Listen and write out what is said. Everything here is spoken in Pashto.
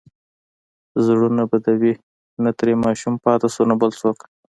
زړونه بدوي، نه ترې ماشوم پاتې شو، نه بل څوک.